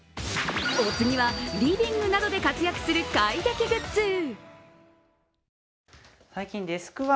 お次は、リビングなどで活躍する快適グッズ。